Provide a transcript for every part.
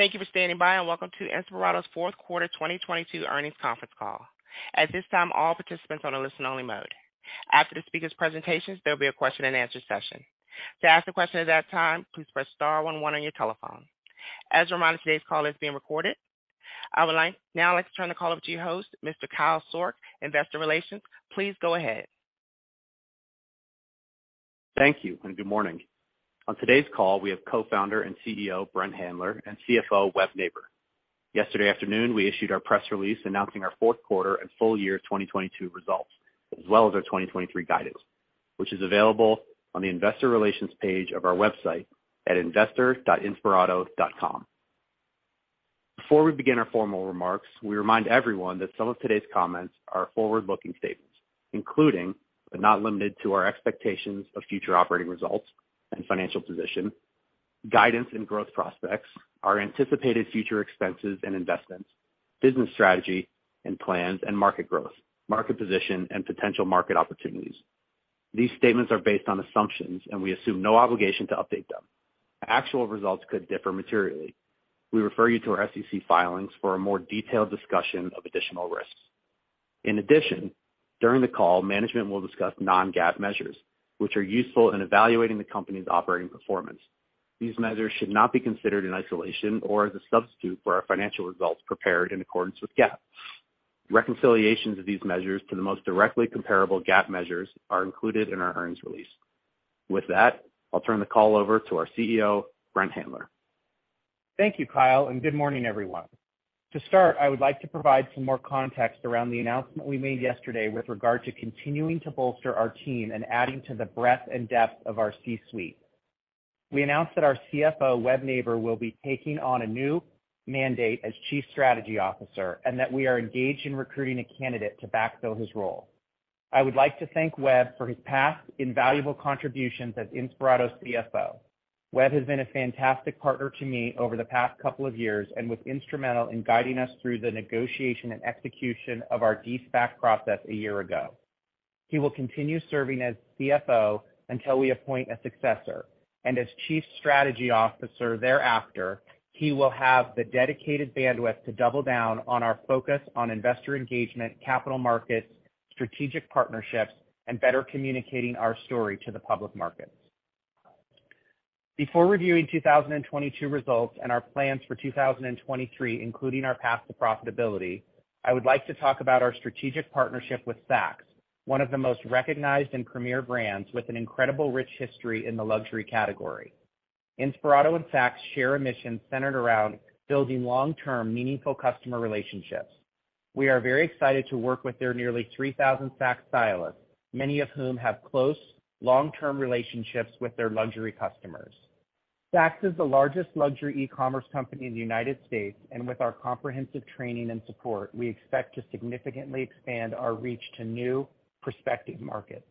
Thank you for standing by, and welcome to Inspirato's fourth quarter 2022 earnings conference call. At this time, all participants on a listen only mode. After the speakers presentations, there'll be a question-and-answer session. To ask a question at that time, please press star one one on your telephone. As a reminder, today's call is being recorded. I would now like to turn the call over to your host, Mr. Kyle Sourk, Investor Relations. Please go ahead. Thank you and good morning. On today's call, we have co-Founder and CEO, Brent Handler, and CFO, Webb Neighbor. Yesterday afternoon, we issued our press release announcing our fourth quarter and full year 2022 results, as well as our 2023 guidance, which is available on the investor relations page of our website at investor.inspirato.com. Before we begin our formal remarks, we remind everyone that some of today's comments are forward-looking statements, including, but not limited to our expectations of future operating results and financial position, guidance and growth prospects, our anticipated future expenses and investments, business strategy and plans and market growth, market position and potential market opportunities. These statements are based on assumptions. We assume no obligation to update them. Actual results could differ materially. We refer you to our SEC filings for a more detailed discussion of additional risks. In addition, during the call, management will discuss non-GAAP measures, which are useful in evaluating the company's operating performance. These measures should not be considered in isolation or as a substitute for our financial results prepared in accordance with GAAP. Reconciliations of these measures to the most directly comparable GAAP measures are included in our earnings release. I'll turn the call over to our CEO, Brent Handler. Thank you, Kyle, and good morning, everyone. To start, I would like to provide some more context around the announcement we made yesterday with regard to continuing to bolster our team and adding to the breadth and depth of our C-suite. We announced that our CFO Webb Neighbor will be taking on a new mandate as Chief Strategy Officer, and that we are engaged in recruiting a candidate to backfill his role. I would like to thank Webb for his past invaluable contributions as Inspirato's CFO. Webb has been a fantastic partner to me over the past two years and was instrumental in guiding us through the negotiation and execution of our de-SPAC process one year ago. He will continue serving as CFO until we appoint a successor, and as chief strategy officer thereafter, he will have the dedicated bandwidth to double down on our focus on investor engagement, capital markets, strategic partnerships, and better communicating our story to the public markets. Before reviewing 2022 results and our plans for 2023, including our path to profitability, I would like to talk about our strategic partnership with Saks, one of the most recognized and premier brands with an incredible rich history in the luxury category. Inspirato and Saks share a mission centered around building long-term, meaningful customer relationships. We are very excited to work with their nearly 3,000 Saks stylists, many of whom have close long-term relationships with their luxury customers. Saks is the largest luxury e-commerce company in the United States, and with our comprehensive training and support, we expect to significantly expand our reach to new prospective markets.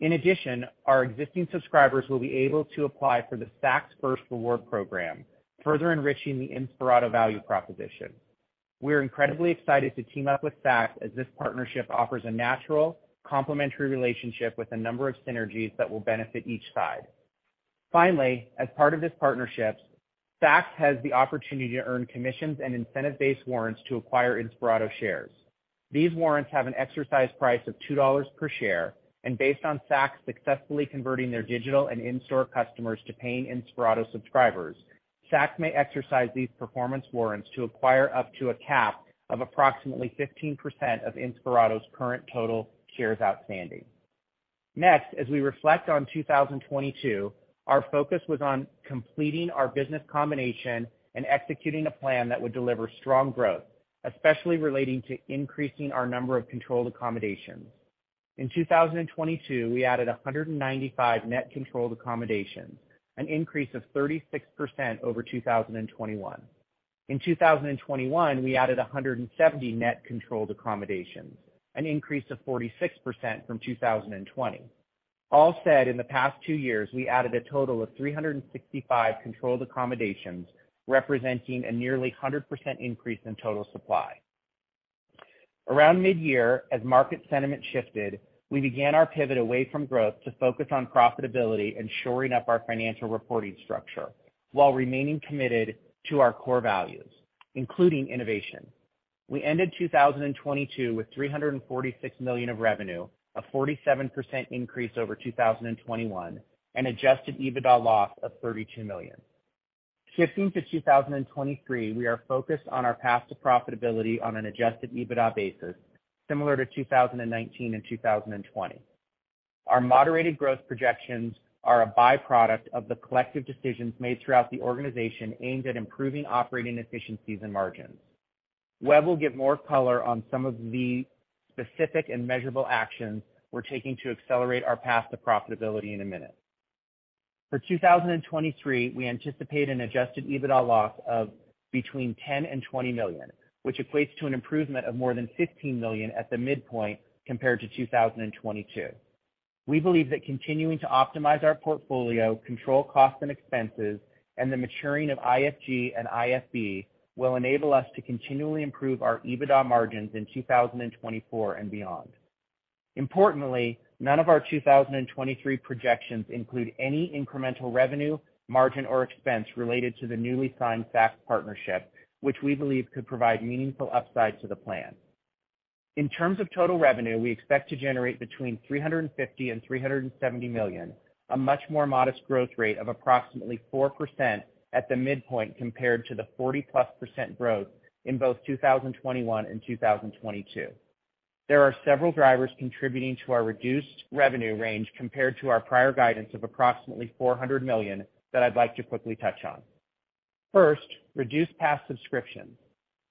In addition, our existing subscribers will be able to apply for the SaksFirst Reward program, further enriching the Inspirato value proposition. We are incredibly excited to team up with Saks as this partnership offers a natural, complementary relationship with a number of synergies that will benefit each side. Finally, as part of this partnership, Saks has the opportunity to earn commissions and incentive-based warrants to acquire Inspirato shares. These warrants have an exercise price of $2 per share, and based on Saks successfully converting their digital and in-store customers to paying Inspirato subscribers, Saks may exercise these performance warrants to acquire up to a cap of approximately 15% of Inspirato's current total shares outstanding. As we reflect on 2022, our focus was on completing our business combination and executing a plan that would deliver strong growth, especially relating to increasing our number of controlled accommodations. In 2022, we added 195 net controlled accommodations, an increase of 36% over 2021. In 2021, we added 170 net controlled accommodations, an increase of 46% from 2020. In the past two years, we added a total of 365 controlled accommodations, representing a nearly 100% increase in total supply. Around mid-year, as market sentiment shifted, we began our pivot away from growth to focus on profitability and shoring up our financial reporting structure while remaining committed to our core values, including innovation. We ended 2022 with $346 million of revenue, a 47% increase over 2021, an Adjusted EBITDA loss of $32 million. Shifting to 2023, we are focused on our path to profitability on an Adjusted EBITDA basis, similar to 2019 and 2020. Our moderated growth projections are a by-product of the collective decisions made throughout the organization aimed at improving operating efficiencies and margins. Webb will give more color on some of the specific and measurable actions we're taking to accelerate our path to profitability in a minute. For 2023, we anticipate an Adjusted EBITDA loss of between $10 million and $20 million, which equates to an improvement of more than $15 million at the midpoint compared to 2022. We believe that continuing to optimize our portfolio, control costs and expenses, and the maturing of IFG and IFB will enable us to continually improve our EBITDA margins in 2024 and beyond. Importantly, none of our 2023 projections include any incremental revenue, margin or expense related to the newly signed Saks partnership, which we believe could provide meaningful upside to the plan. In terms of total revenue, we expect to generate between $350 million and $370 million, a much more modest growth rate of approximately 4% at the midpoint compared to the 40%+ growth in both 2021 and 2022. There are several drivers contributing to our reduced revenue range compared to our prior guidance of approximately $400 million that I'd like to quickly touch on. First, reduced Pass subscriptions.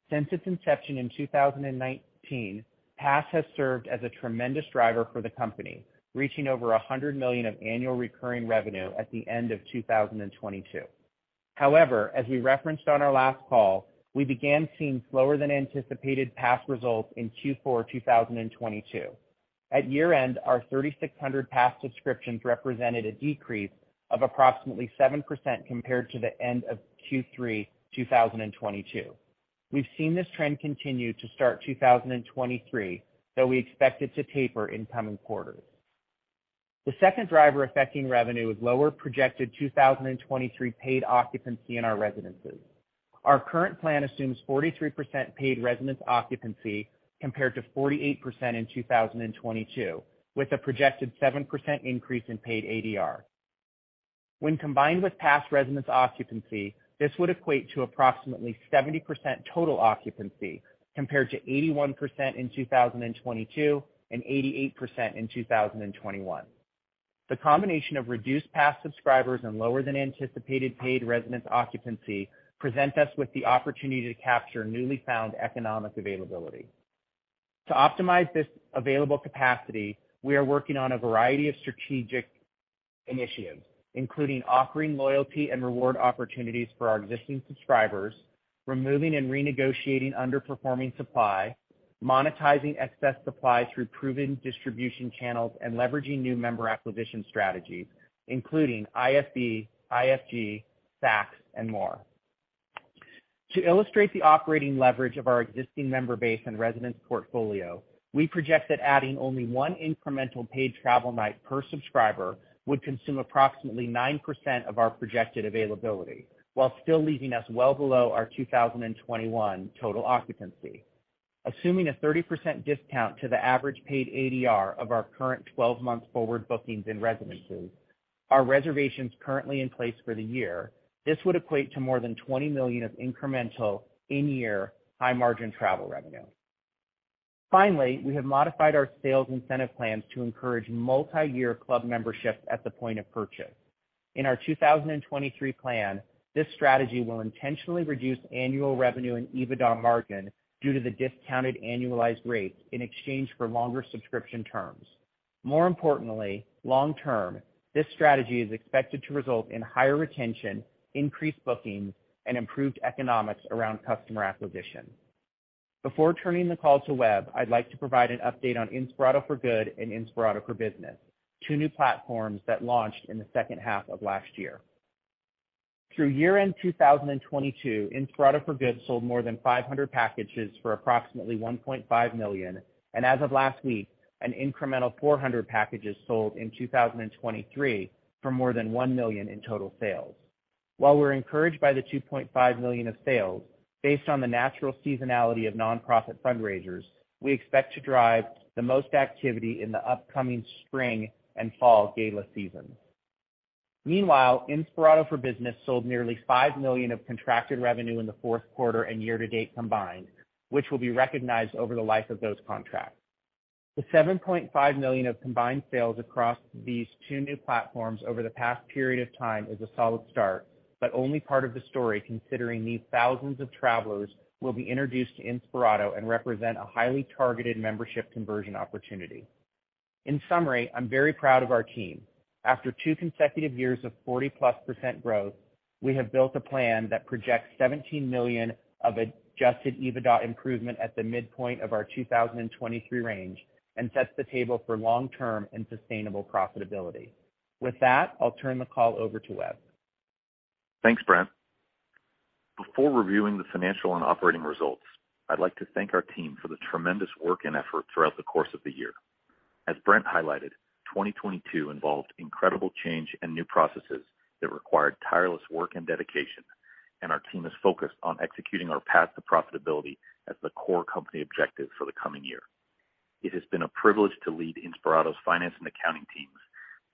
Since its inception in 2019, Pass has served as a tremendous driver for the company, reaching over $100 million of annual recurring revenue at the end of 2022. As we referenced on our last call, we began seeing slower than anticipated Pass results in Q4 2022. At year-end, our 3,600 Pass subscriptions represented a decrease of approximately 7% compared to the end of Q3 2022. We've seen this trend continue to start 2023, though we expect it to taper in coming quarters. The second driver affecting revenue is lower projected 2023 paid occupancy in our residences. Our current plan assumes 43% paid residence occupancy compared to 48% in 2022, with a projected 7% increase in paid ADR. When combined with past residence occupancy, this would equate to approximately 70% total occupancy, compared to 81% in 2022 and 88% in 2021. The combination of reduced Pass subscribers and lower than anticipated paid residence occupancy present us with the opportunity to capture newly found economic availability. To optimize this available capacity, we are working on a variety of strategic initiatives, including offering loyalty and reward opportunities for our existing subscribers, removing and renegotiating underperforming supply, monetizing excess supply through proven distribution channels, and leveraging new member acquisition strategies, including IFB, IFG, Saks and more. To illustrate the operating leverage of our existing member base and residence portfolio, we project that adding only one incremental paid travel night per subscriber would consume approximately 9% of our projected availability, while still leaving us well below our 2021 total occupancy. Assuming a 30% discount to the average paid ADR of our current 12-month forward bookings and residences, our reservations currently in place for the year, this would equate to more than $20 million of incremental in-year high margin travel revenue. Finally, we have modified our sales incentive plans to encourage multi-year club memberships at the point of purchase. In our 2023 plan, this strategy will intentionally reduce annual revenue and EBITDA margin due to the discounted annualized rates in exchange for longer subscription terms. More importantly, long term, this strategy is expected to result in higher retention, increased bookings and improved economics around customer acquisition. Before turning the call to Webb, I'd like to provide an update on Inspirato for Good and Inspirato for Business, two new platforms that launched in the second half of last year. Through year-end 2022, Inspirato for Good sold more than 500 packages for approximately $1.5 million, and as of last week, an incremental 400 packages sold in 2023 for more than $1 million in total sales. While we're encouraged by the $2.5 million of sales, based on the natural seasonality of nonprofit fundraisers, we expect to drive the most activity in the upcoming spring and fall gala season. Meanwhile, Inspirato for Business sold nearly $5 million of contracted revenue in the fourth quarter and year to date combined, which will be recognized over the life of those contracts. The $7.5 million of combined sales across these two new platforms over the past period of time is a solid start, but only part of the story considering these thousands of travelers will be introduced to Inspirato and represent a highly targeted membership conversion opportunity. In summary, I'm very proud of our team. After two consecutive years of 40%+ growth, we have built a plan that projects $17 million of Adjusted EBITDA improvement at the midpoint of our 2023 range and sets the table for long-term and sustainable profitability. I'll turn the call over to Webb. Thanks, Brent. Before reviewing the financial and operating results, I'd like to thank our team for the tremendous work and effort throughout the course of the year. As Brent highlighted, 2022 involved incredible change and new processes that required tireless work and dedication, and our team is focused on executing our path to profitability as the core company objective for the coming year. It has been a privilege to lead Inspirato's finance and accounting teams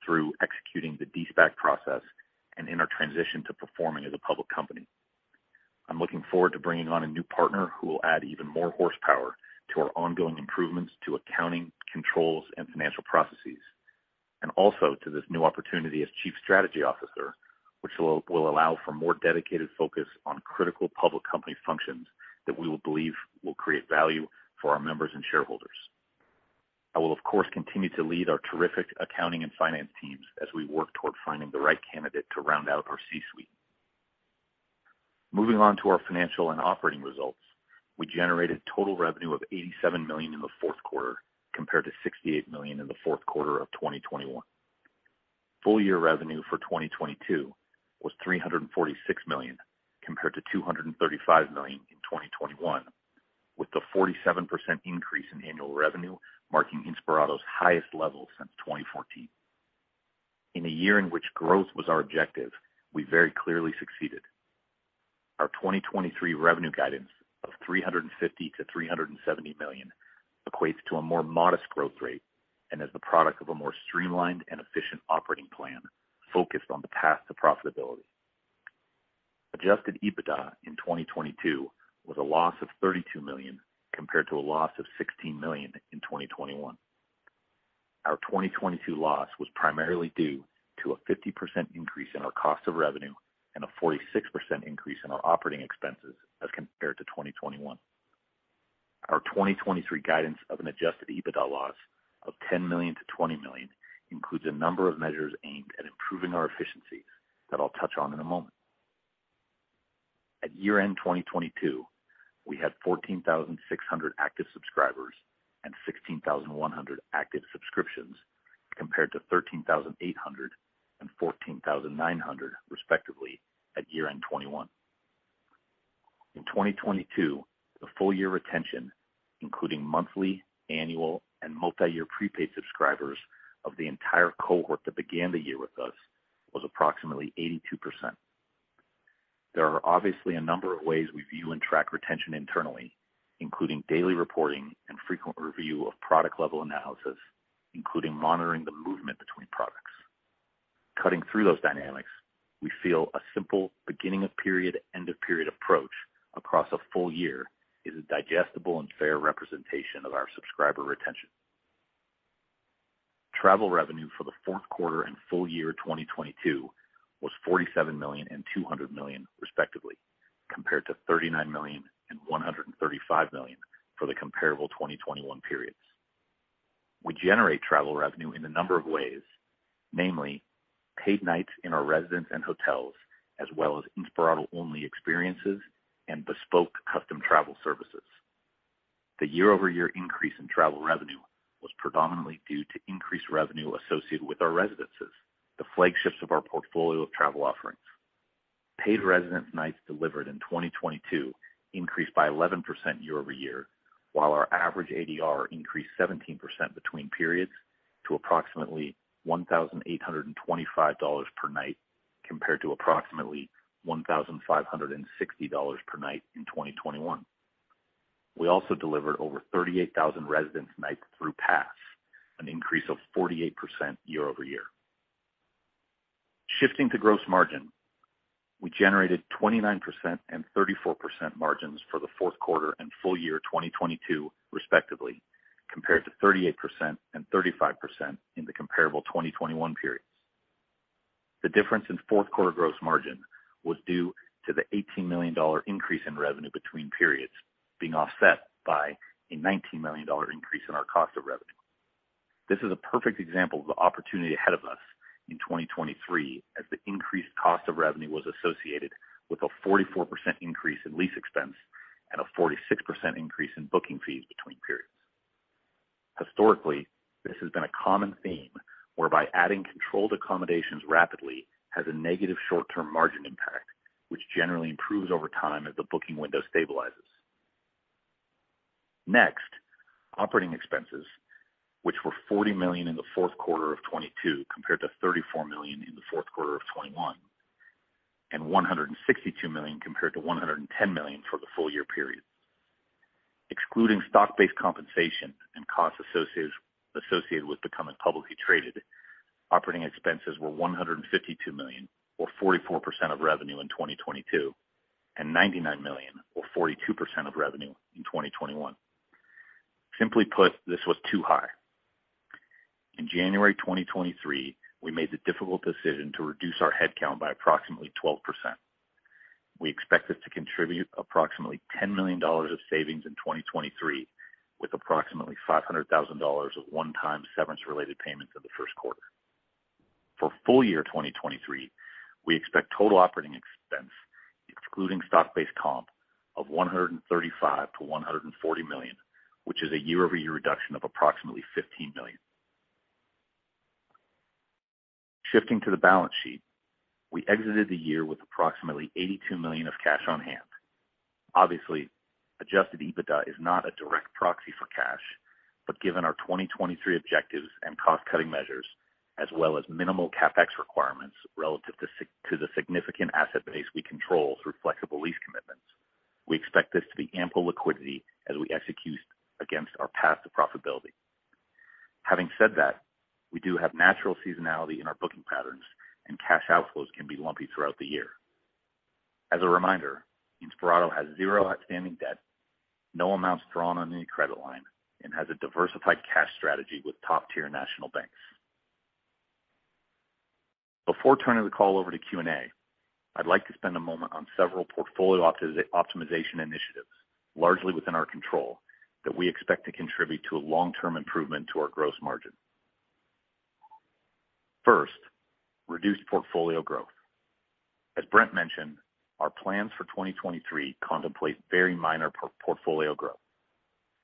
through executing the de-SPAC process and in our transition to performing as a public company. I'm looking forward to bringing on a new partner who will add even more horsepower to our ongoing improvements to accounting, controls and financial processes, and also to this new opportunity as Chief Strategy Officer, which will allow for more dedicated focus on critical public company functions that we will believe will create value for our members and shareholders. I will, of course, continue to lead our terrific accounting and finance teams as we work toward finding the right candidate to round out our C-suite. Moving on to our financial and operating results. We generated total revenue of $87 million in the fourth quarter compared to $68 million in the fourth quarter of 2021. Full year revenue for 2022 was $346 million compared to $235 million in 2021, with the 47% increase in annual revenue marking Inspirato's highest level since 2014. In a year in which growth was our objective, we very clearly succeeded. Our 2023 revenue guidance of $350 million-$370 million equates to a more modest growth rate and is the product of a more streamlined and efficient operating plan focused on the path to profitability. Adjusted EBITDA in 2022 was a loss of $32 million, compared to a loss of $16 million in 2021. Our 2022 loss was primarily due to a 50% increase in our cost of revenue and a 46% increase in our operating expenses as compared to 2021. Our 2023 guidance of an Adjusted EBITDA loss of $10 million-$20 million includes a number of measures aimed at improving our efficiencies that I'll touch on in a moment. At year-end 2022, we had 14,600 active subscribers and 16,100 active subscriptions, compared to 13,800 and 14,900 respectively at year-end 2021. In 2022, the full year retention, including monthly, annual, and multi-year prepaid subscribers of the entire cohort that began the year with us, was approximately 82%. There are obviously a number of ways we view and track retention internally, including daily reporting and frequent review of product level analysis, including monitoring the movement between products. Cutting through those dynamics, we feel a simple beginning of period, end of period approach across a full year is a digestible and fair representation of our subscriber retention. Travel revenue for the fourth quarter and full year 2022 was $47 million and $200 million respectively, compared to $39 million and $135 million for the comparable 2021 periods. We generate travel revenue in a number of ways, namely paid nights in our residences and hotels, as well as Inspirato Only experiences and Bespoke custom travel services. The year-over-year increase in travel revenue was predominantly due to increased revenue associated with our residences, the flagships of our portfolio of travel offerings. Paid residence nights delivered in 2022 increased by 11% year-over-year, while our average ADR increased 17% between periods to approximately $1,825 per night compared to approximately $1,560 per night in 2021. We also delivered over 38,000 residents nights through Pass, an increase of 48% year-over-year. Shifting to gross margin, we generated 29% and 34% margins for the fourth quarter and full year 2022 respectively, compared to 38% and 35% in the comparable 2021 periods. The difference in fourth quarter gross margin was due to the $18 million increase in revenue between periods being offset by a $19 million increase in our cost of revenue. This is a perfect example of the opportunity ahead of us in 2023 as the increased cost of revenue was associated with a 44% increase in lease expense and a 46% increase in booking fees between periods. Historically, this has been a common theme whereby adding controlled accommodations rapidly has a negative short-term margin impact, which generally improves over time as the booking window stabilizes. Next, operating expenses, which were $40 million in the fourth quarter of 2022 compared to $34 million in the fourth quarter of 2021, and $162 million compared to $110 million for the full year period. Excluding stock-based compensation and costs associated with becoming publicly traded, operating expenses were $152 million, or 44% of revenue in 2022, and $99 million or 42% of revenue in 2021. Simply put, this was too high. In January 2023, we made the difficult decision to reduce our headcount by approximately 12%. We expect this to contribute approximately $10 million of savings in 2023, with approximately $500,000 of one-time severance related payments in the first quarter. For full year 2023, we expect total operating expense, excluding stock-based comp, of $135 million-$140 million, which is a year-over-year reduction of approximately $15 million. Shifting to the balance sheet, we exited the year with approximately $82 million of cash on hand. Obviously, Adjusted EBITDA is not a direct proxy for cash. Given our 2023 objectives and cost cutting measures as well as minimal CapEx requirements relative to the significant asset base we control through flexible lease commitments, we expect this to be ample liquidity as we execute against our path to profitability. Having said that, we do have natural seasonality in our booking patterns and cash outflows can be lumpy throughout the year. As a reminder, Inspirato has zero outstanding debt, no amounts drawn on any credit line, and has a diversified cash strategy with top-tier national banks. Before turning the call over to Q&A, I'd like to spend a moment on several portfolio optimization initiatives, largely within our control, that we expect to contribute to a long-term improvement to our gross margin. First, reduced portfolio growth. As Brent mentioned, our plans for 2023 contemplate very minor portfolio growth.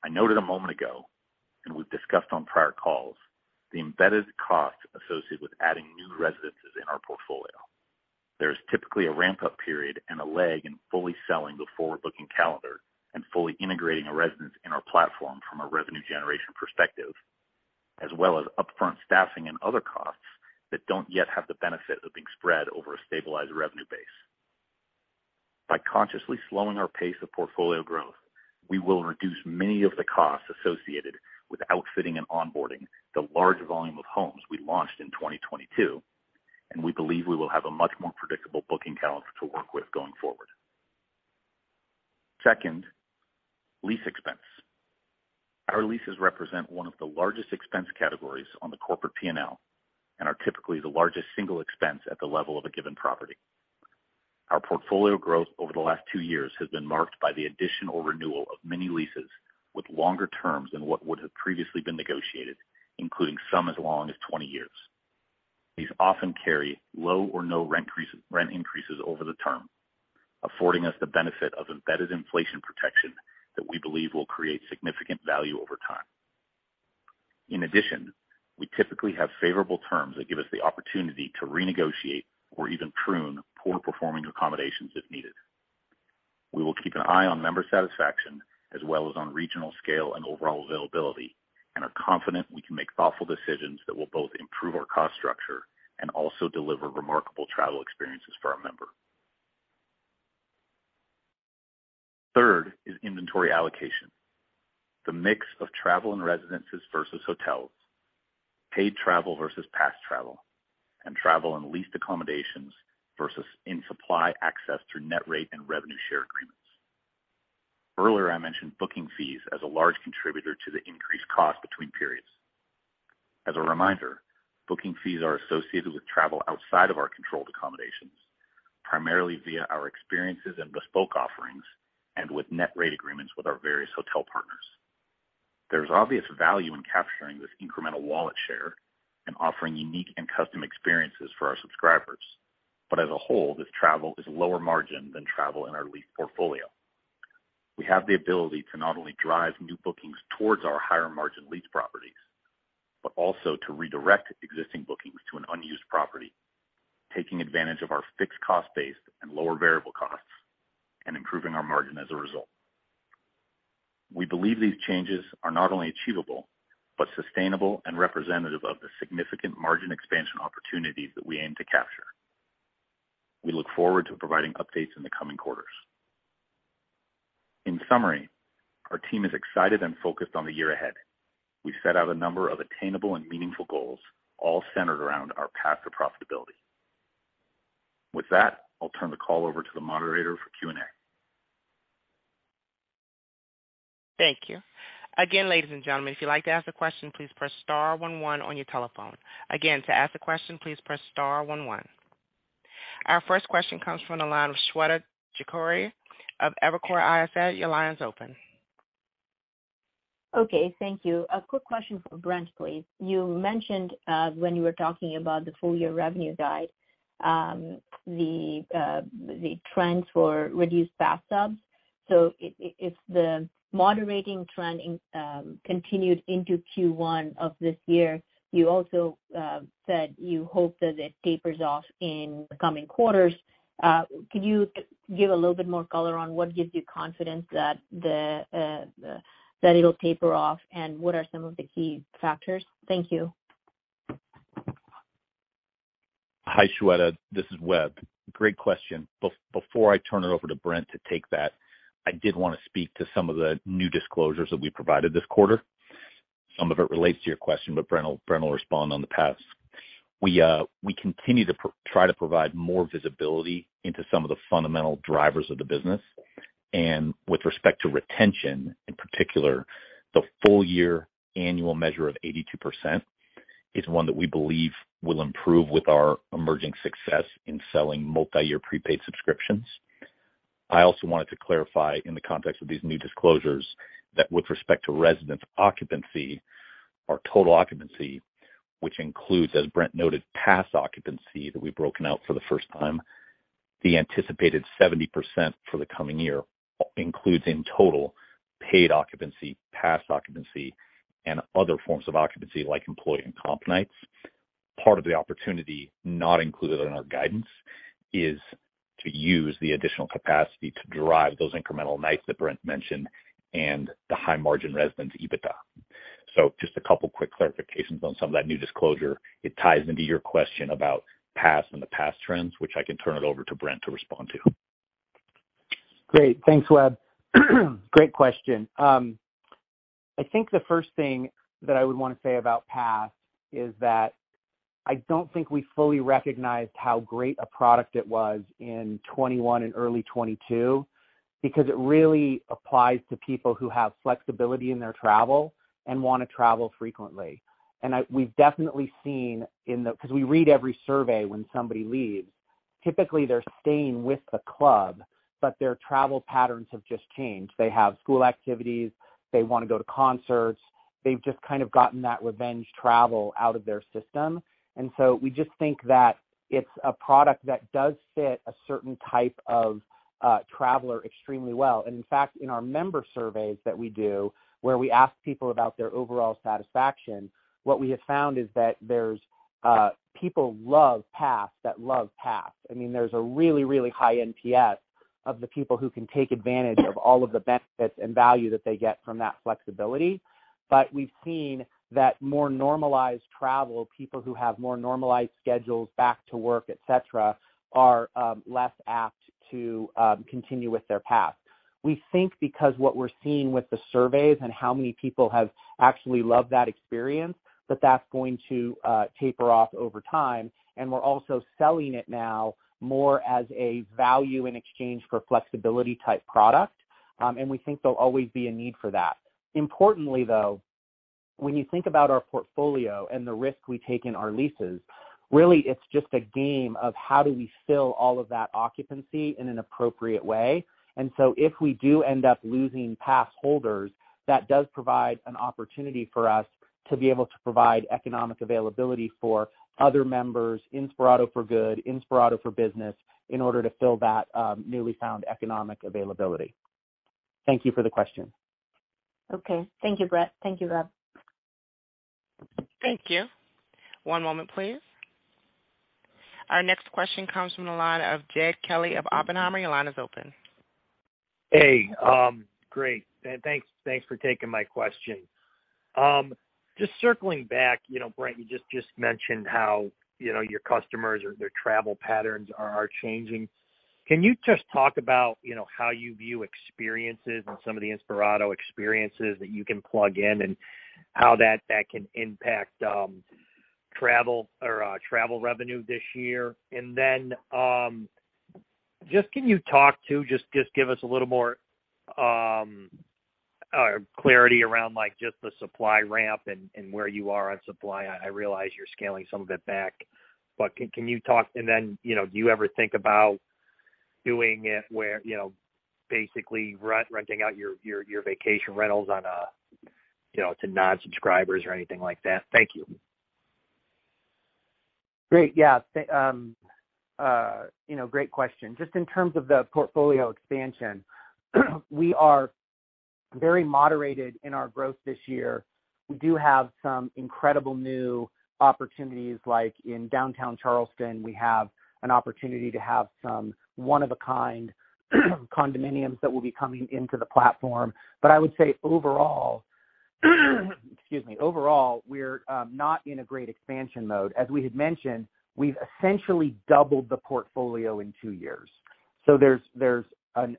I noted a moment ago, and we've discussed on prior calls, the embedded costs associated with adding new residences in our portfolio. There is typically a ramp-up period and a lag in fully selling the forward-looking calendar and fully integrating a residence in our platform from a revenue generation perspective, as well as upfront staffing and other costs that don't yet have the benefit of being spread over a stabilized revenue base. By consciously slowing our pace of portfolio growth, we will reduce many of the costs associated with outfitting and onboarding the large volume of homes we launched in 2022, and we believe we will have a much more predictable booking calendar to work with going forward. Second, lease expense. Our leases represent one of the largest expense categories on the corporate P&L and are typically the largest single expense at the level of a given property. Our portfolio growth over the last two years has been marked by the addition or renewal of many leases with longer terms than what would have previously been negotiated, including some as long as 20 years. These often carry low or no rent increase, rent increases over the term, affording us the benefit of embedded inflation protection that we believe will create significant value over time. In addition, we typically have favorable terms that give us the opportunity to renegotiate or even prune poor performing accommodations if needed. We will keep an eye on member satisfaction as well as on regional scale and overall availability, and are confident we can make thoughtful decisions that will both improve our cost structure and also deliver remarkable travel experiences for our members. Third is inventory allocation. The mix of travel and residences versus hotels, paid travel versus pass travel, and travel in leased accommodations versus in supply access through net rate and revenue share agreements. Earlier, I mentioned booking fees as a large contributor to the increased cost between periods. As a reminder, booking fees are associated with travel outside of our controlled accommodations, primarily via our experiences and Bespoke offerings and with net rate agreements with our various hotel partners. There is obvious value in capturing this incremental wallet share and offering unique and custom experiences for our subscribers. As a whole, this travel is lower margin than travel in our leased portfolio. We have the ability to not only drive new bookings towards our higher margin leased properties, but also to redirect existing bookings to an unused property, taking advantage of our fixed cost base and lower variable costs and improving our margin as a result. We believe these changes are not only achievable, but sustainable and representative of the significant margin expansion opportunities that we aim to capture. We look forward to providing updates in the coming quarters. In summary, our team is excited and focused on the year ahead. We've set out a number of attainable and meaningful goals, all centered around our path to profitability. With that, I'll turn the call over to the moderator for Q&A. Thank you. Again, ladies and gentlemen, if you'd like to ask a question, please press star one one on your telephone. Again, to ask a question, please press star one one. Our first question comes from the line of Shweta Khajuria of Evercore ISI. Your line is open. Okay. Thank you. A quick question for Brent, please. You mentioned when you were talking about the full year revenue guide, the trends for reduced Pass subs. If the moderating trend continued into Q1 of this year, you also said you hope that it tapers off in the coming quarters. Could you give a little bit more color on what gives you confidence that it'll taper off, and what are some of the key factors? Thank you. Hi, Shweta. This is Webb. Great question. Before I turn it over to Brent to take that, I did wanna speak to some of the new disclosures that we provided this quarter. Some of it relates to your question, but Brent will respond on the Pass. We continue to try to provide more visibility into some of the fundamental drivers of the business. With respect to retention, in particular, the full year annual measure of 82% is one that we believe will improve with our emerging success in selling multi-year prepaid subscriptions. I also wanted to clarify in the context of these new disclosures that with respect to residence occupancy or total occupancy, which includes, as Brent noted, Pass occupancy that we've broken out for the first time, the anticipated 70% for the coming year includes in total paid occupancy, Pass occupancy, and other forms of occupancy like employee and comp nights. Part of the opportunity not included in our guidance is to use the additional capacity to drive those incremental nights that Brent mentioned and the high-margin residence EBITDA. Just a couple quick clarifications on some of that new disclosure. It ties into your question about Pass and the Pass trends, which I can turn it over to Brent to respond to. Great. Thanks, Webb. Great question. I think the first thing that I would wanna say about Pass is that I don't think we fully recognized how great a product it was in 21 and early 22 because it really applies to people who have flexibility in their travel and wanna travel frequently. We've definitely seen. We read every survey when somebody leaves. Typically, they're staying with the Club. Their travel patterns have just changed. They have school activities. They wanna go to concerts. They've just kind of gotten that revenge travel out of their system. We just think that it's a product that does fit a certain type of traveler extremely well. In fact, in our member surveys that we do, where we ask people about their overall satisfaction, what we have found is that there's people love Pass that love Pass. I mean, there's a really high NPS of the people who can take advantage of all of the benefits and value that they get from that flexibility. We've seen that more normalized travel, people who have more normalized schedules back to work, et cetera, are less apt to continue with their Pass. We think because what we're seeing with the surveys and how many people have actually loved that experience, that's going to taper off over time. We're also selling it now more as a value in exchange for flexibility type product. We think there'll always be a need for that. Importantly, though, when you think about our portfolio and the risk we take in our leases, really it's just a game of how do we fill all of that occupancy in an appropriate way. If we do end up losing Pass holders, that does provide an opportunity for us to be able to provide economic availability for other members, Inspirato for Good, Inspirato for Business, in order to fill that newly found economic availability. Thank you for the question. Okay. Thank you, Brent. Thank you, Webb. Thank you. One moment, please. Our next question comes from the line of Jed Kelly of Oppenheimer. Your line is open. Hey, great. Thanks, thanks for taking my question. Just circling back, you know, Brent, you just mentioned how, you know, your customers or their travel patterns are changing. Can you just talk about, you know, how you view experiences and some of the Inspirato experiences that you can plug in and how that can impact travel or travel revenue this year? Can you talk to, just give us a little more clarity around like just the supply ramp and where you are on supply. I realize you're scaling some of it back, but can you talk? Do you ever think about doing it where, you know, basically renting out your vacation rentals on a, you know, to non-subscribers or anything like that? Thank you. Great. Yeah. You know, great question. Just in terms of the portfolio expansion, we are very moderated in our growth this year. We do have some incredible new opportunities, like in downtown Charleston, we have an opportunity to have some one of a kind condominiums that will be coming into the platform. I would say overall, excuse me, overall, we're not in a great expansion mode. As we had mentioned, we've essentially doubled the portfolio in two years. There's a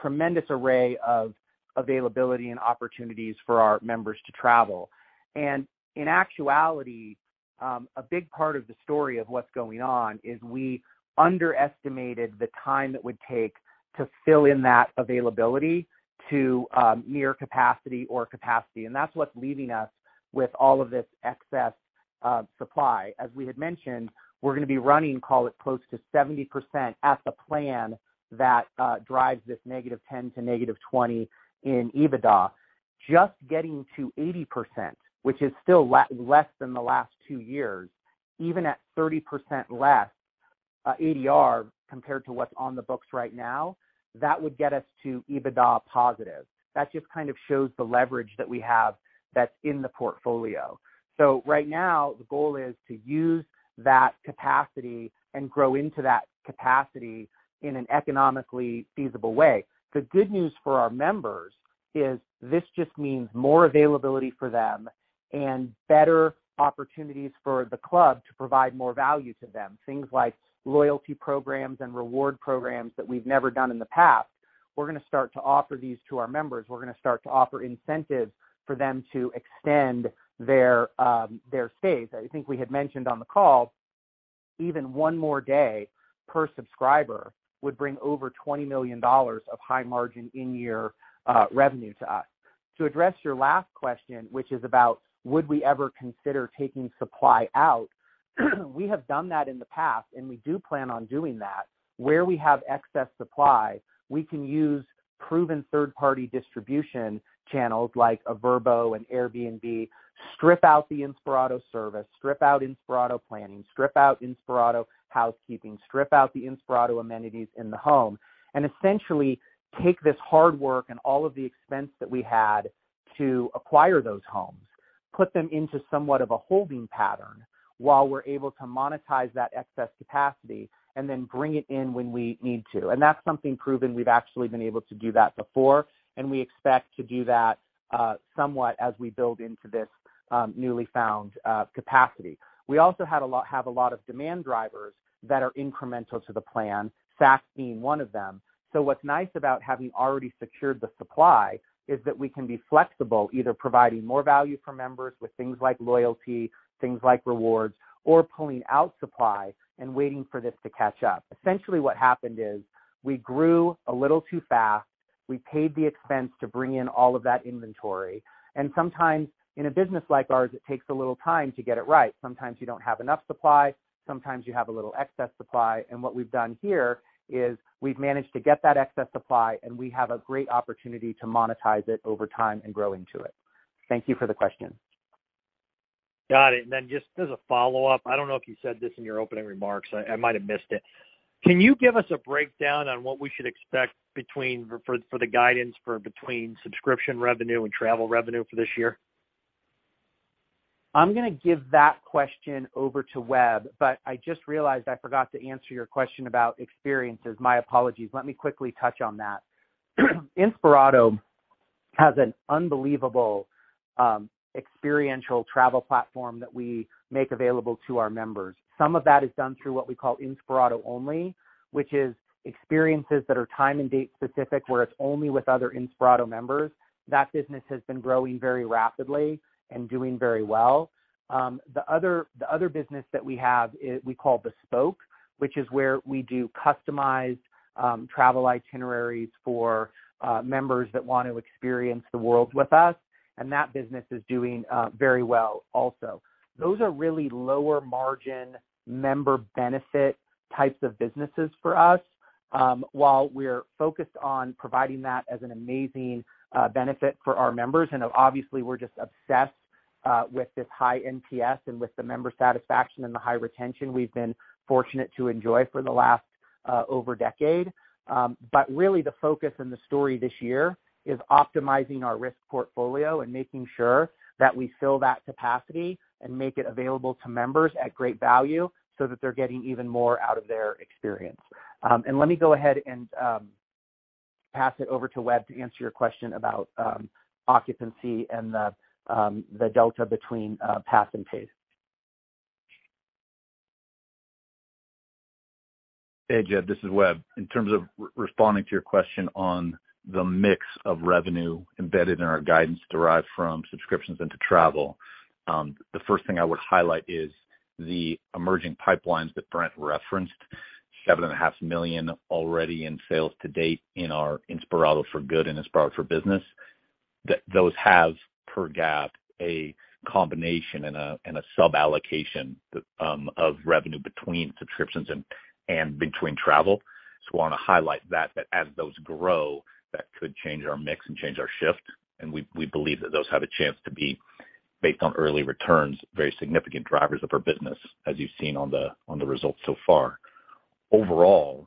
tremendous array of availability and opportunities for our members to travel. In actuality, a big part of the story of what's going on is we underestimated the time it would take to fill in that availability to near capacity or capacity. That's what's leaving us with all of this excess supply. As we had mentioned, we're going to be running, call it close to 70% at the plan that drives this -10% to -20% in EBITDA. Just getting to 80%, which is still less than the last two years, even at 30% less ADR compared to what's on the books right now, that would get us to EBITDA positive. That just kind of shows the leverage that we have that's in the portfolio. Right now, the goal is to use that capacity and grow into that capacity in an economically feasible way. The good news for our members is this just means more availability for them and better opportunities for the club to provide more value to them. Things like loyalty programs and reward programs that we've never done in the past. We're going to start to offer these to our members. We're gonna start to offer incentives for them to extend their stays. I think we had mentioned on the call, even one more day per subscriber would bring over $20 million of high margin in-year revenue to us. To address your last question, which is about would we ever consider taking supply out? We have done that in the past, and we do plan on doing that. Where we have excess supply, we can use proven third-party distribution channels like a Vrbo, an Airbnb, strip out the Inspirato service, strip out Inspirato planning, strip out Inspirato housekeeping, strip out the Inspirato amenities in the home, and essentially take this hard work and all of the expense that we had to acquire those homes, put them into somewhat of a holding pattern while we're able to monetize that excess capacity and then bring it in when we need to. That's something proven we've actually been able to do that before, and we expect to do that, somewhat as we build into this, newly found capacity. We also have a lot of demand drivers that are incremental to the plan, Saks being one of them. What's nice about having already secured the supply is that we can be flexible, either providing more value for members with things like loyalty, things like rewards, or pulling out supply and waiting for this to catch up. Essentially, what happened is we grew a little too fast. We paid the expense to bring in all of that inventory. Sometimes in a business like ours, it takes a little time to get it right. Sometimes you don't have enough supply, sometimes you have a little excess supply. What we've done here is we've managed to get that excess supply, and we have a great opportunity to monetize it over time and grow into it. Thank you for the question. Got it. Just as a follow-up, I don't know if you said this in your opening remarks, I might have missed it. Can you give us a breakdown on what we should expect between for the guidance for between subscription revenue and travel revenue for this year? I'm gonna give that question over to Webb, but I just realized I forgot to answer your question about experiences. My apologies. Let me quickly touch on that. Inspirato has an unbelievable experiential travel platform that we make available to our members. Some of that is done through what we call Inspirato Only, which is experiences that are time and date specific, where it's only with other Inspirato members. That business has been growing very rapidly and doing very well. The other business that we have is we call Bespoke, which is where we do customized travel itineraries for members that want to experience the world with us, and that business is doing very well also. Those are really lower margin member benefit types of businesses for us. While we're focused on providing that as an amazing benefit for our members, obviously, we're just obsessed with this high NPS and with the member satisfaction and the high retention we've been fortunate to enjoy for the last over a decade. Really the focus and the story this year is optimizing our risk portfolio and making sure that we fill that capacity and make it available to members at great value so that they're getting even more out of their experience. Let me go ahead and pass it over to Webb to answer your question about occupancy and the delta between pass and paid. Hey, Jed, this is Webb. In terms of responding to your question on the mix of revenue embedded in our guidance derived from subscriptions into travel, the first thing I would highlight is the emerging pipelines that Brent referenced, $7.5 million already in sales to date in our Inspirato for Good and Inspirato for Business. Those have per GAAP a combination and a sub-allocation of revenue between subscriptions and between travel. I wanna highlight that as those grow, that could change our mix and change our shift, and we believe that those have a chance to be based on early returns, very significant drivers of our business, as you've seen on the results so far. Overall,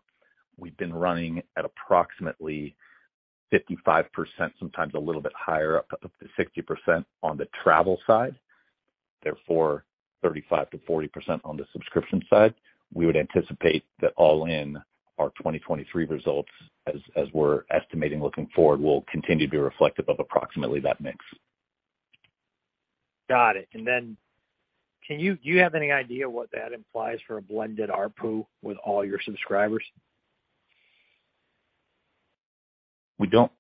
we've been running at approximately 55%, sometimes a little bit higher, up to 60% on the travel side, therefore 35%-40% on the subscription side. We would anticipate that all in our 2023 results as we're estimating looking forward, will continue to be reflective of approximately that mix. Got it. Can you do you have any idea what that implies for a blended ARPU with all your subscribers? We don't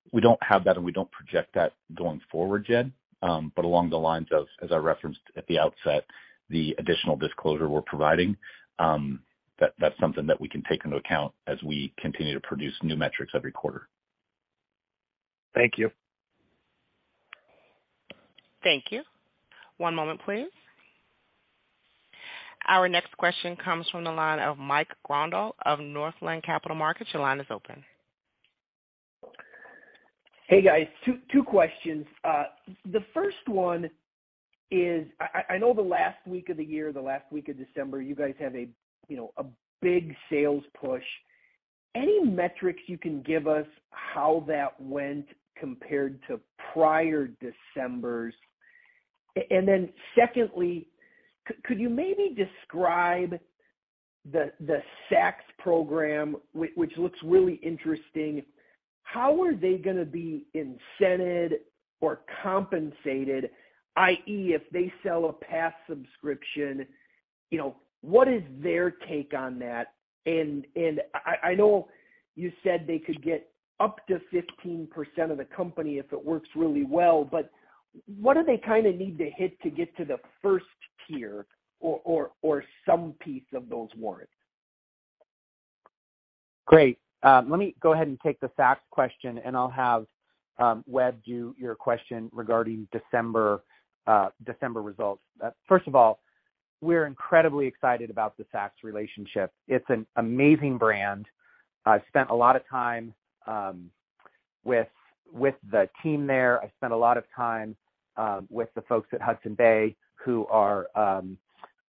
have that, and we don't project that going forward, Jed. Along the lines of, as I referenced at the outset, the additional disclosure we're providing, that's something that we can take into account as we continue to produce new metrics every quarter. Thank you. Thank you. One moment, please. Our next question comes from the line of Mike Grondahl of Northland Capital Markets. Your line is open. Hey, guys, two questions. The first one is I know the last week of the year, the last week of December, you guys have a, you know, a big sales push. Any metrics you can give us how that went compared to prior Decembers? Secondly, could you maybe describe the Saks program which looks really interesting. How are they gonna be incented or compensated, i.e., if they sell a Pass subscription, you know, what is their take on that? I know you said they could get up to 15% of the company if it works really well, but what do they kinda need to hit to get to the first tier or some piece of those warrants? Great. Let me go ahead and take the Saks question, and I'll have Webb do your question regarding December December results. First of all, we're incredibly excited about the Saks relationship. It's an amazing brand. I've spent a lot of time with the team there. I spent a lot of time with the folks at Hudson Bay, who are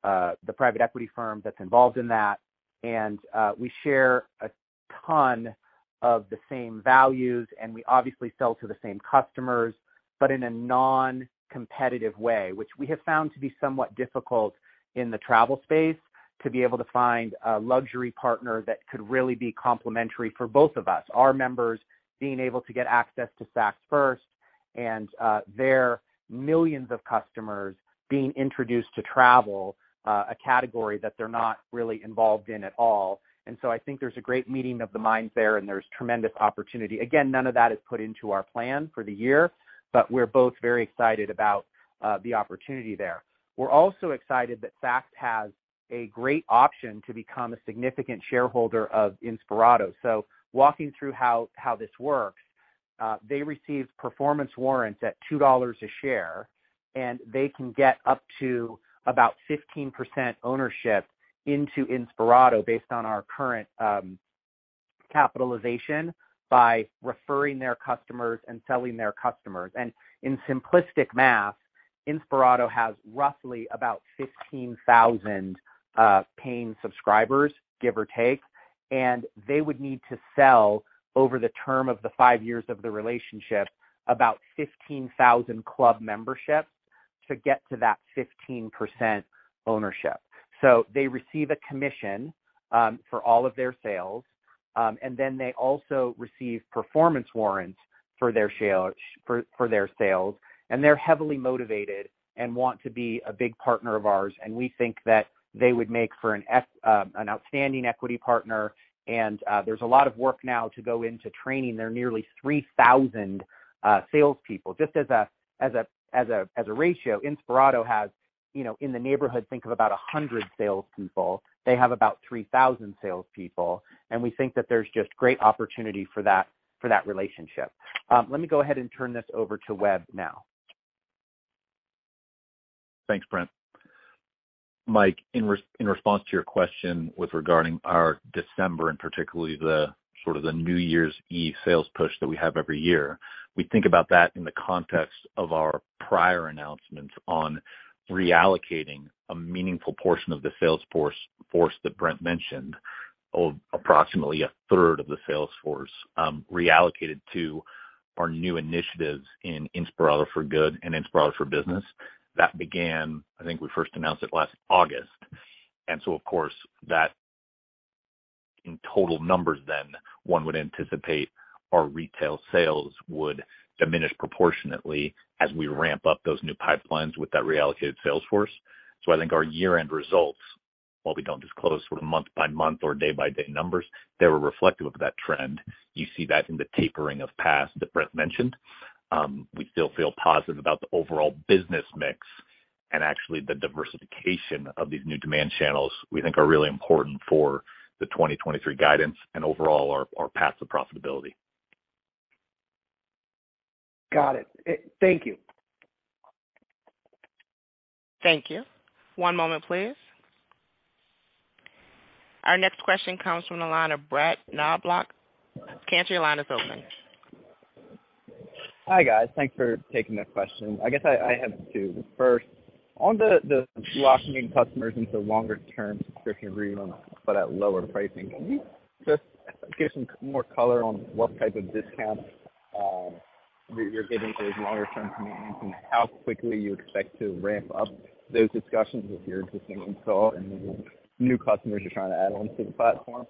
the private equity firm that's involved in that. We share a ton of the same values, and we obviously sell to the same customers, but in a non-competitive way, which we have found to be somewhat difficult in the travel space to be able to find a luxury partner that could really be complementary for both of us. Our members being able to get access to SaksFirst and their millions of customers being introduced to travel, a category that they're not really involved in at all. I think there's a great meeting of the minds there, and there's tremendous opportunity. Again, none of that is put into our plan for the year, but we're both very excited about the opportunity there. We're also excited that Saks has a great option to become a significant shareholder of Inspirato. Walking through how this works, they receive performance warrants at $2 a share, and they can get up to about 15% ownership into Inspirato based on our current capitalization by referring their customers and selling their customers. In simplistic math, Inspirato has roughly about 15,000 paying subscribers, give or take, and they would need to sell over the term of the five years of the relationship about 15,000 club memberships to get to that 15% ownership. They receive a commission for all of their sales, and then they also receive performance warrants for their sales. They're heavily motivated and want to be a big partner of ours, and we think that they would make for an outstanding equity partner. There's a lot of work now to go into training their nearly 3,000 salespeople. Just as a ratio, Inspirato has, you know, in the neighborhood, think of about 100 salespeople. They have about 3,000 salespeople, we think that there's just great opportunity for that relationship. Let me go ahead and turn this over to Webb now. Thanks, Brent. Mike, in response to your question with regarding our December and particularly the sort of the New Year's Eve sales push that we have every year, we think about that in the context of our prior announcements on reallocating a meaningful portion of the sales force that Brent mentioned, or approximately a third of the sales force, reallocated to our new initiatives in Inspirato for Good and Inspirato for Business. That began, I think we first announced it last August. Of course, that in total numbers then one would anticipate our retail sales would diminish proportionately as we ramp up those new pipelines with that reallocated sales force. I think our year-end results, while we don't disclose sort of month by month or day by day numbers, they were reflective of that trend. You see that in the tapering of Pass that Brent mentioned. We still feel positive about the overall business mix and actually the diversification of these new demand channels we think are really important for the 2023 guidance and overall our path to profitability. Got it. Thank you. Thank you. One moment, please. Our next question comes from the line of Brett Knoblauch. Sir, your line is open. Hi, guys. Thanks for taking the question. I guess I have two. First, on the locking customers into longer term subscription agreements but at lower pricing, can you just give some more color on what type of discounts you're giving those longer term commitments and how quickly you expect to ramp up those discussions with your existing install and the new customers you're trying to add on to the platform?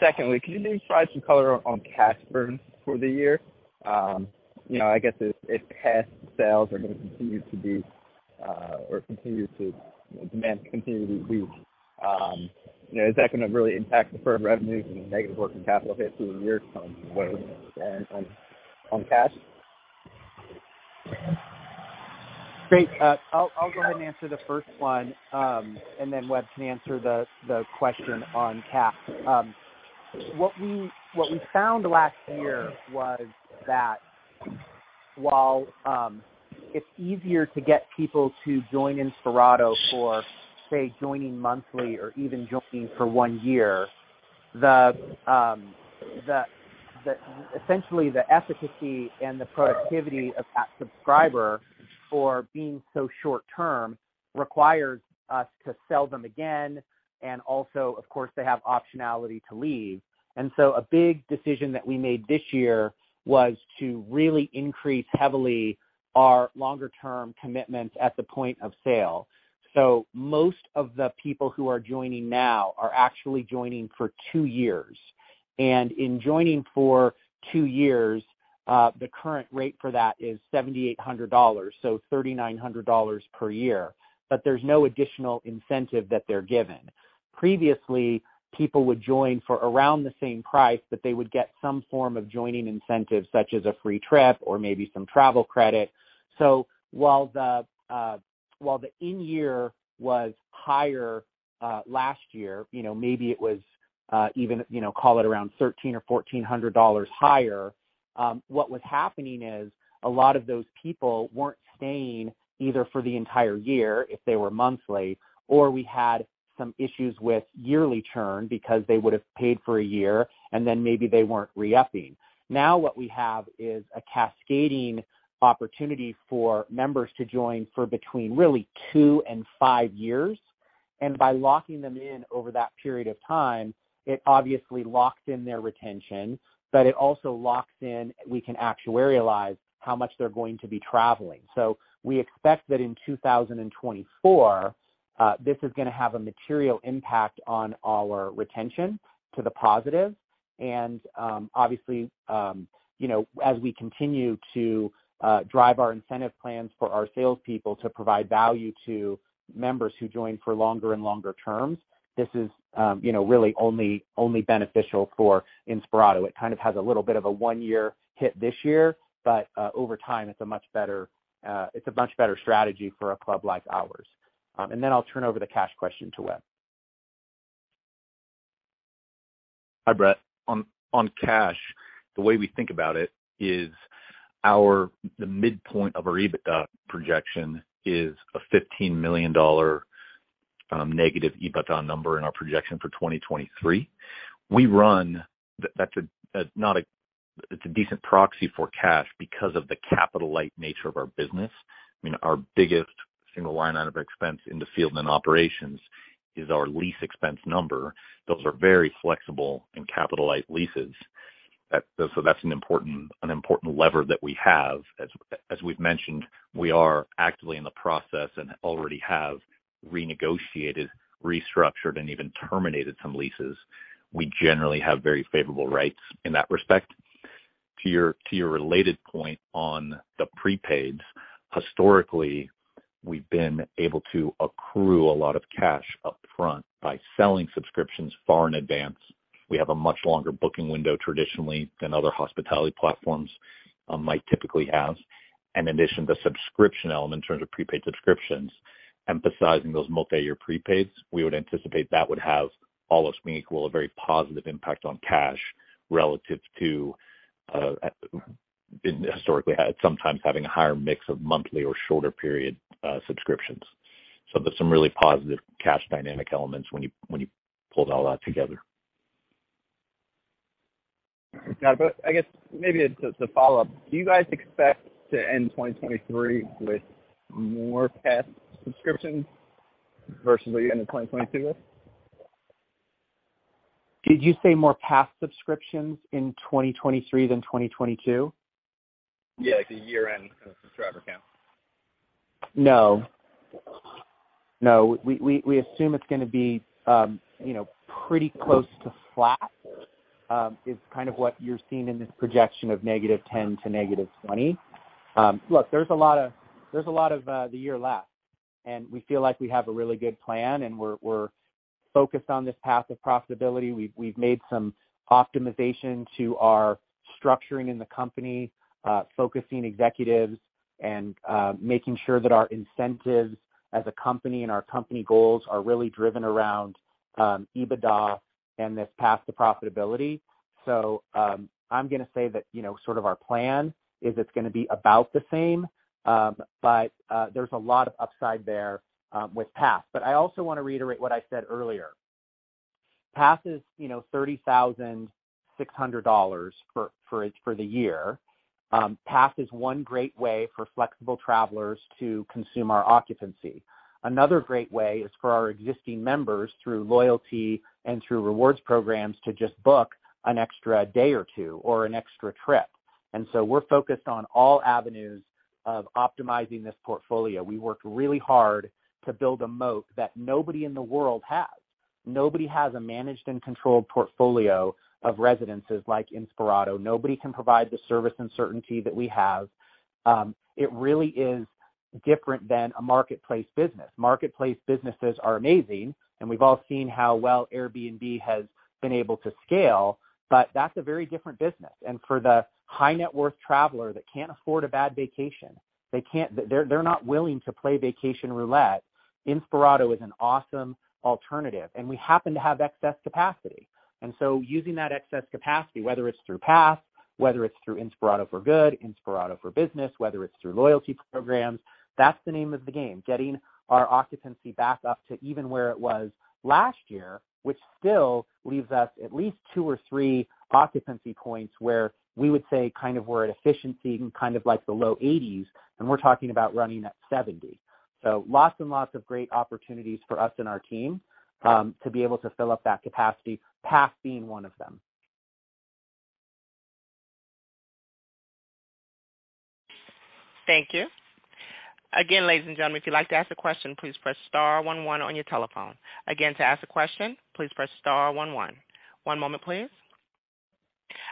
Secondly, can you maybe provide some color on cash burn for the year? You know, I guess if Pass sales are gonna continue to be, or continue to, you know, demand continue to be weak, you know, is that gonna really impact deferred revenues and negative working capital hits through the year from whatever the demand on cash? Great. I'll go ahead and answer the first one, and then Webb can answer the question on cash. What we found last year was that while it's easier to get people to join Inspirato for, say, joining monthly or even joining for one year, the essentially the efficacy and the productivity of that subscriber for being so short-term requires us to sell them again and also, of course, they have optionality to leave. A big decision that we made this year was to really increase heavily our longer term commitments at the point of sale. Most of the people who are joining now are actually joining for two years. In joining for two years, the current rate for that is $7,800, so $3,900 per year, but there's no additional incentive that they're given. Previously, people would join for around the same price, but they would get some form of joining incentive, such as a free trip or maybe some travel credit. While the in-year was higher, last year, you know, maybe it was even, you know, call it around $1,300 or $1,400 higher, what was happening is a lot of those people weren't staying either for the entire year if they were monthly, or we had some issues with yearly churn because they would have paid for a year and then maybe they weren't re-upping. Now what we have is a cascading opportunity for members to join for between really two and five years. By locking them in over that period of time, it obviously locks in their retention, but it also locks in, we can actuarialize how much they're going to be traveling. We expect that in 2024, this is gonna have a material impact on our retention to the positive. Obviously, you know, as we continue to drive our incentive plans for our salespeople to provide value to members who join for longer and longer terms, this is, you know, really only beneficial for Inspirato. It kind of has a little bit of a one-year hit this year, but over time, it's a much better strategy for a club like ours. Then I'll turn over the cash question to Webb. Hi, Brett. On cash, the way we think about it is the midpoint of our EBITDA projection is a $15 million negative EBITDA number in our projection for 2023. That's not a... It's a decent proxy for cash because of the capital-light nature of our business. I mean, our biggest single line item of expense in the field and operations is our lease expense number. Those are very flexible and capitalize leases. So that's an important lever that we have. As we've mentioned, we are actively in the process and already have renegotiated, restructured, and even terminated some leases. We generally have very favorable rights in that respect. To your related point on the prepaids, historically, we've been able to accrue a lot of cash upfront by selling subscriptions far in advance. We have a much longer booking window traditionally than other hospitality platforms, might typically have. In addition, the subscription element in terms of prepaid subscriptions, emphasizing those multi-year prepaids, we would anticipate that would have all else being equal, a very positive impact on cash relative to, in historically had sometimes having a higher mix of monthly or shorter period subscriptions. There's some really positive cash dynamic elements when you pull all that together. Yeah. I guess maybe it's as a follow-up. Do you guys expect to end 2023 with more Pass subscriptions versus what you ended 2022 with? Did you say more past subscriptions in 2023 than 2022? Yeah, the year-end subscriber count. No. We assume it's gonna be, you know, pretty close to flat, is kind of what you're seeing in this projection of -10% to -20%. Look, there's a lot of the year left, and we feel like we have a really good plan, and we're focused on this path of profitability. We've made some optimization to our structuring in the company, focusing executives and making sure that our incentives as a company and our company goals are really driven around EBITDA and this path to profitability. I'm gonna say that, you know, sort of our plan is it's gonna be about the same, there's a lot of upside there with Path. I also wanna reiterate what I said earlier. Path is, you know, $30,600 for the year. Path is one great way for flexible travelers to consume our occupancy. Another great way is for our existing members through loyalty and through rewards programs to just book an extra day or two or an extra trip. We're focused on all avenues of optimizing this portfolio. We worked really hard to build a moat that nobody in the world has. Nobody has a managed and controlled portfolio of residences like Inspirato. Nobody can provide the service and certainty that we have. It really is different than a marketplace business. Marketplace businesses are amazing, and we've all seen how well Airbnb has been able to scale, but that's a very different business. For the high net worth traveler that can't afford a bad vacation. They're not willing to play vacation roulette. Inspirato is an awesome alternative, and we happen to have excess capacity. Using that excess capacity, whether it's through Pass, whether it's through Inspirato for Good, Inspirato for Business, whether it's through loyalty programs, that's the name of the game, getting our occupancy back up to even where it was last year, which still leaves us at least two or three occupancy points where we would say kind of we're at efficiency in kind of like the low 80s, and we're talking about running at 70. Lots and lots of great opportunities for us and our team to be able to fill up that capacity, Pass being one of them. Thank you. Again, ladies and gentlemen, if you'd like to ask a question, please press star one one on your telephone. Again, to ask a question, please press star one one. One moment, please.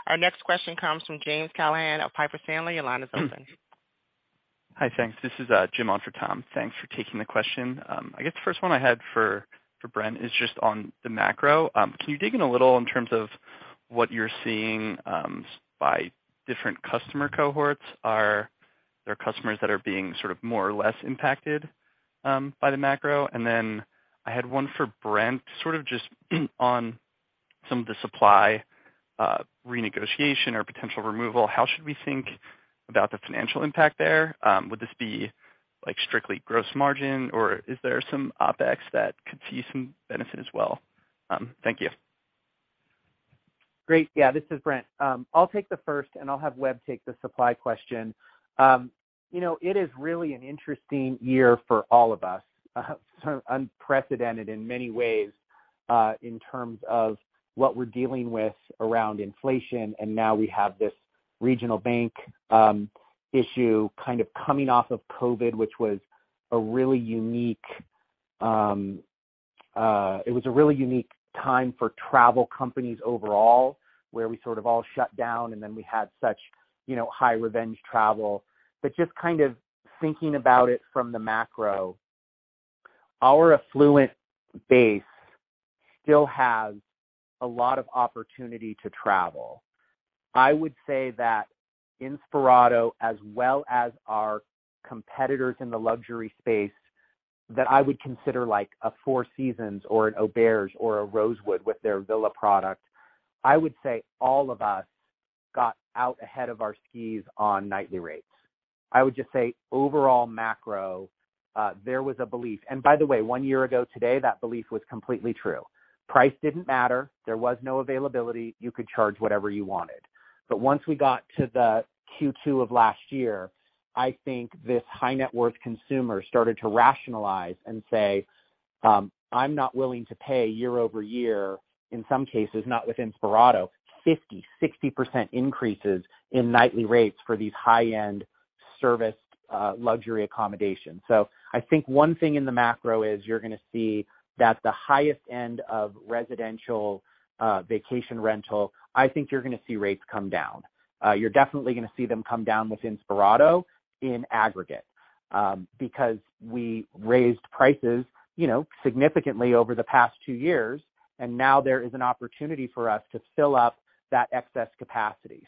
Our next question comes from James Callahan of Piper Sandler. Your line is open. Hi. Thanks. This is Jim on for Tom. Thanks for taking the question. I guess the first one I had for Brent is just on the macro. Can you dig in a little in terms of what you're seeing by different customer cohorts? Are there customers that are being sort of more or less impacted by the macro? Then I had one for Brent, sort of just on some of the supply renegotiation or potential removal. How should we think about the financial impact there? Would this be, like, strictly gross margin, or is there some OpEx that could see some benefit as well? Thank you. Great. Yeah, this is Brent. I'll take the first, and I'll have Webb take the supply question. you know, it is really an interesting year for all of us, sort of unprecedented in many ways, in terms of what we're dealing with around inflation. Now we have this regional bank, issue kind of coming off of COVID, which was a really unique, it was a really unique time for travel companies overall, where we sort of all shut down. We had such, you know, high revenge travel. Just kind of thinking about it from the macro, our affluent base still has a lot of opportunity to travel. I would say that Inspirato, as well as our competitors in the luxury space that I would consider like a Four Seasons or an Auberge or a Rosewood with their villa product, I would say all of us got out ahead of our skis on nightly rates. I would just say overall macro, there was a belief. By the way, one year ago today, that belief was completely true. Price didn't matter. There was no availability. You could charge whatever you wanted. Once we got to the Q2 of last year, I think this high net worth consumer started to rationalize and say, "I'm not willing to pay year-over-year," in some cases, not with Inspirato, 50%, 60% increases in nightly rates for these high-end serviced, luxury accommodations. I think one thing in the macro is you're gonna see that the highest end of residential, vacation rental, I think you're gonna see rates come down. You're definitely gonna see them come down with Inspirato in aggregate, because we raised prices, you know, significantly over the past two years, and now there is an opportunity for us to fill up that excess capacity.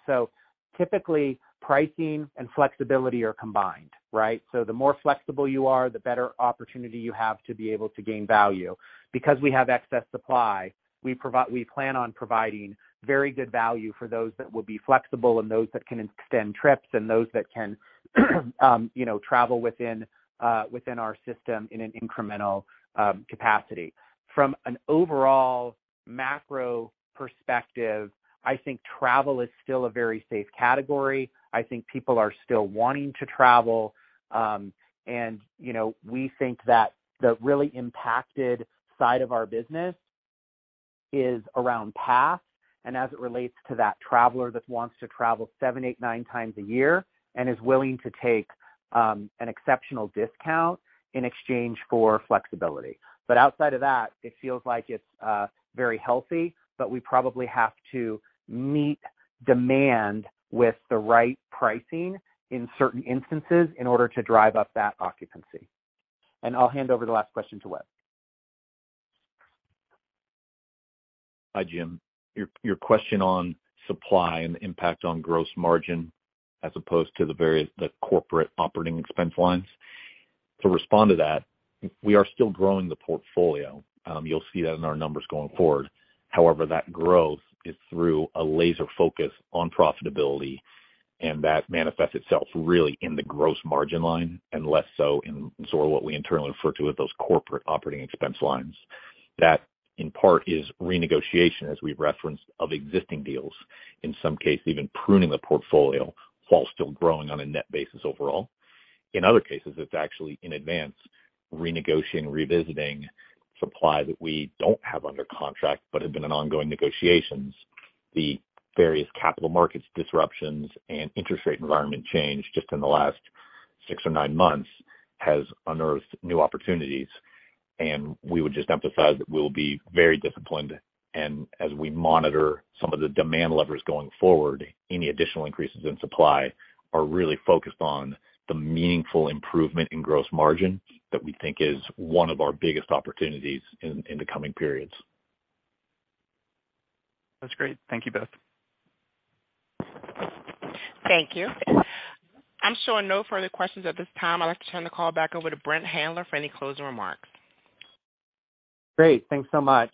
Typically, pricing and flexibility are combined, right? The more flexible you are, the better opportunity you have to be able to gain value. Because we have excess supply, we plan on providing very good value for those that will be flexible and those that can extend trips and those that can, you know, travel within our system in an incremental capacity. From an overall macro perspective, I think travel is still a very safe category. I think people are still wanting to travel. You know, we think that the really impacted side of our business is around Pass and as it relates to that traveler that wants to travel seven, eight, nine times a year and is willing to take an exceptional discount in exchange for flexibility. Outside of that, it feels like it's very healthy, but we probably have to meet demand with the right pricing in certain instances in order to drive up that occupancy. I'll hand over the last question to Webb. Hi, Jim. Your question on supply and the impact on gross margin as opposed to the corporate operating expense lines. To respond to that, we are still growing the portfolio. You'll see that in our numbers going forward. However, that growth is through a laser focus on profitability, and that manifests itself really in the gross margin line and less so in sort of what we internally refer to as those corporate operating expense lines. That, in part, is renegotiation, as we've referenced, of existing deals, in some cases even pruning the portfolio while still growing on a net basis overall. In other cases, it's actually in advance, renegotiating, revisiting supply that we don't have under contract but have been in ongoing negotiations. The various capital markets disruptions and interest rate environment change just in the last six or nine months has unearthed new opportunities. We would just emphasize that we'll be very disciplined, and as we monitor some of the demand levers going forward, any additional increases in supply are really focused on the meaningful improvement in gross margin that we think is one of our biggest opportunities in the coming periods. That's great. Thank you both. Thank you. I'm showing no further questions at this time. I'd like to turn the call back over to Brent Handler for any closing remarks. Great. Thanks so much.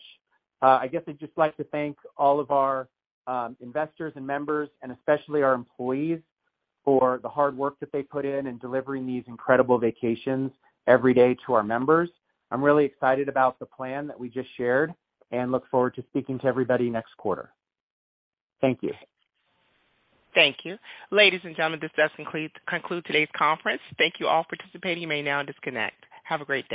I guess I'd just like to thank all of our investors and members, especially our employees for the hard work that they put in in delivering these incredible vacations every day to our members. I'm really excited about the plan that we just shared and look forward to speaking to everybody next quarter. Thank you. Thank you. Ladies and gentlemen, this does conclude today's conference. Thank you all for participating. You may now disconnect. Have a great day.